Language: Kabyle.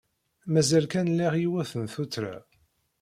Mazal kan liɣ yiwet n tuttra.